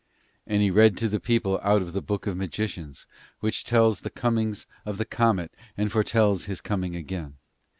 And he read to the people out of the Book of Magicians, which tells the comings of the comet and foretells his coming again.